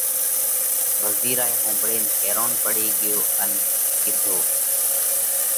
وزِير هائي ۿومڀۯينَ حيروني پڙي ڳيو ان ڪِيڌو: